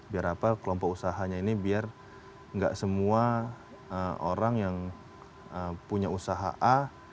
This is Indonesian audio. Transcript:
biar apa kelompok usahanya ini biar nggak semua orang yang punya usaha a